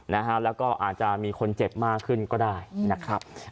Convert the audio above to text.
นะฮะแล้วก็อาจจะมีคนเจ็บมากขึ้นก็ได้นะครับ